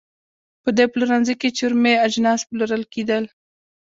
په دې پلورنځۍ کې چرمي اجناس پلورل کېدل.